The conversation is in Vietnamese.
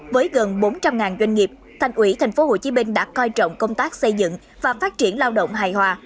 với gần bốn trăm linh doanh nghiệp thành ủy tp hcm đã coi trọng công tác xây dựng và phát triển lao động hài hòa